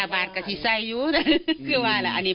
เหมือนวิธีพูดสุดดี